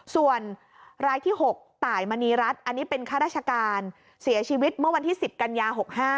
ส่วนรายที่๖ตายมณีรัฐอันนี้เป็นข้าราชการเสียชีวิตเมื่อวันที่๑๐กันยา๖๕